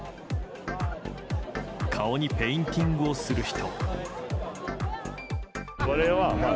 顔にペインティングをする人。